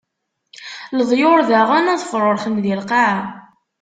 Leḍyur daɣen ad fṛuṛxen di lqaɛa.